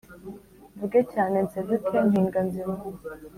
Mvuge cyane nseduke mpinga nzima